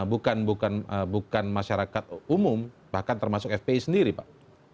bukan masyarakat umum bahkan termasuk fpi sendiri pak